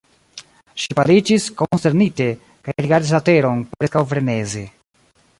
Ŝi paliĝis, konsternite, kaj rigardis la teron preskaŭ freneze.